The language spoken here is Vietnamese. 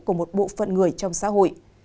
của một bộ phận người trong xã hội